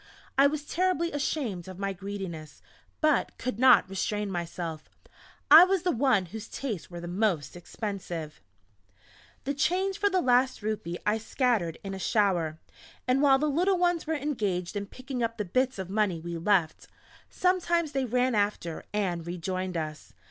I was terribly ashamed of my greediness, but could not restrain myself. I was the one whose tastes were the most expensive! [Illustration: "WHICH OF YOU HAS BEEN GOOD?" SHE INQUIRED] The change for the last rupee I scattered in a shower, and while the little ones were engaged in picking up the bits of money we left. Sometimes they ran after, and rejoined us.